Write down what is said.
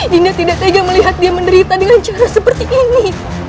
hingga tidak tega melihat dia menderita dengan cara seperti ini